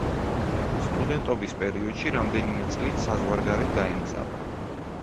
სტუდენტობის პერიოდში რამდენიმე წლით საზღვარგარეთ გაემგზავრა.